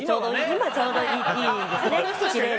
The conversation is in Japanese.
今、ちょうどいいですね。